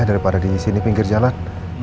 daripada di sini pinggir jalan